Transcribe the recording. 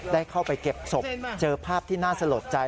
ได้เข้าไปเก็บศพเจอภาพที่น่าสลดใจ